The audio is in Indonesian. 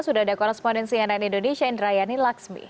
sudah ada korespondensi yang lain indonesia indra yani laxmi